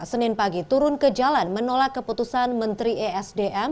senin pagi turun ke jalan menolak keputusan menteri esdm